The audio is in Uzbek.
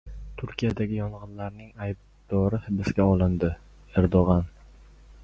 Turkiyadagi yong‘inlarning aybdori hibsga olindi — Erdog‘an